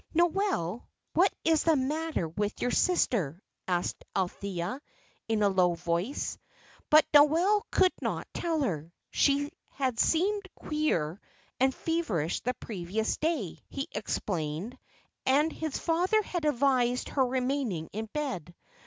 "Noel, what is the matter with your sister?" asked Althea, in a low voice; but Noel could not tell her. She had seemed queer and feverish the previous day, he explained, and his father had advised her remaining in bed.